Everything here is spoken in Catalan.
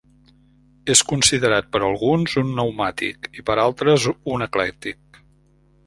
És considerat per alguns un pneumàtic i per altres un eclèctic.